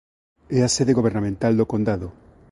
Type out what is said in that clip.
É a sede gobernamental do condado.